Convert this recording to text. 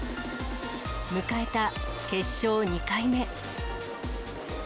迎えた決勝２回目。